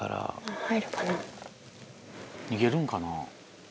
逃げるんかな？